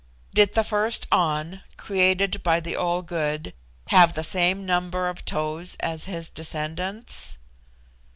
Did the first An, created by the All Good, have the same number of toes as his descendants?